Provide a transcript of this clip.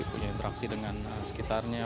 punya interaksi dengan sekitarnya